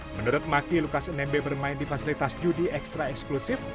menurut maki lukas nmb bermain di fasilitas judi ekstra eksklusif